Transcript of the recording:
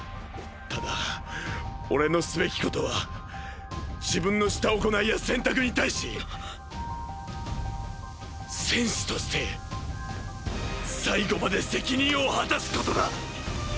ただ俺のすべきことは自分のした行いや選択に対し戦士として最後まで責任を果たすことだ。